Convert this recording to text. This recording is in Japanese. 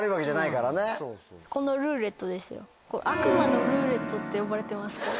このルーレットですよ。って呼ばれてますから。